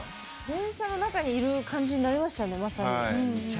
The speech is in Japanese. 電車の中にいる感じになりましたね。